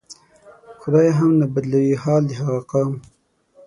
خدای هم نه بدلوي حال د هغه قوم